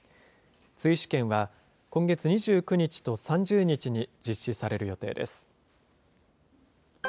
追試験は、今月２９日と３０日に実施される予定です。